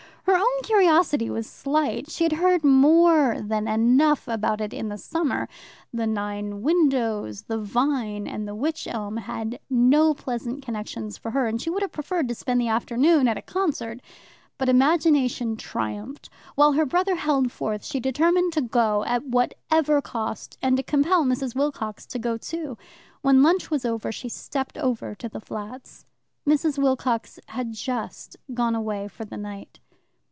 Her own curiosity was slight. She had heard more than enough about it in the summer. The nine windows, the vine, and the wych elm had no pleasant connections for her, and she would have preferred to spend the afternoon at a concert. But imagination triumphed. While her brother held forth she determined to go, at whatever cost, and to compel Mrs. Wilcox to go, too. When lunch was over she stepped over to the flats. Mrs. Wilcox had just gone away for the night.